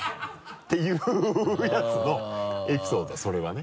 ていうやつのエピソードそれはね。